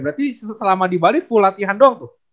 berarti selama di bali full latihan doang tuh